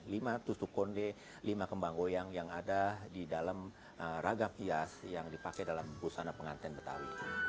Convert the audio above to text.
lima tusuk konde lima kembang goyang yang ada di dalam ragam hias yang dipakai dalam busana pengantin betawi